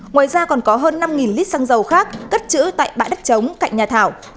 ngoài ra còn có hơn năm lít xăng dầu khác cất chữ tại bãi đất chống cạnh nhà thảo